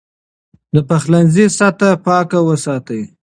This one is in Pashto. د پخلنځي سطحه پاکه وساتئ.